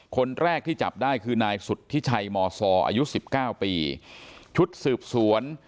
คนแรกที่จับได้คือนายสุธิชัยมซออายุสิบเก้าปีชุดสืบสวน